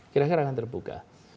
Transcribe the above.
kira kira akan terbuka